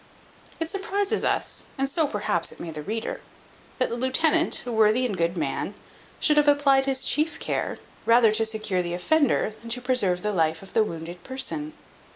It surprizes us, and so perhaps, it may the reader, that the lieutenant, a worthy and good man, should have applied his chief care, rather to secure the offender, than to preserve the life of the wounded person.